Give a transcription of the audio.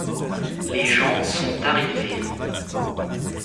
Les gens sont arrivés.